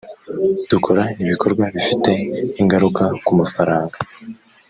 dukora ibikorwa bifite ingaruka ku mafaranga